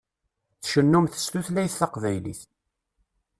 Tcennumt s tutlayt taqbaylit.